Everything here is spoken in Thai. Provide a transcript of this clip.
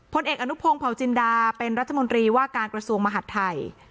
เอกอนุพงศ์เผาจินดาเป็นรัฐมนตรีว่าการกระทรวงมหัฐไทย